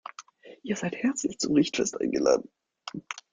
Ihr seid herzlich zum Richtfest eingeladen.